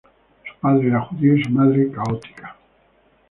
Su padre era judío y su madre católica.